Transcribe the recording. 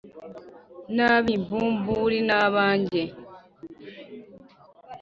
n'ab'imbumburi ni abanjye.